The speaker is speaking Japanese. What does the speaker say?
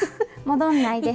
戻んないで！